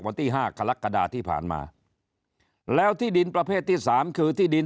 วันที่ห้ากรกฎาที่ผ่านมาแล้วที่ดินประเภทที่สามคือที่ดิน